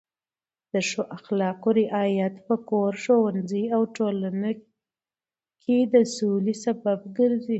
د ښو اخلاقو رعایت په کور، ښوونځي او ټولنه کې د سولې سبب ګرځي.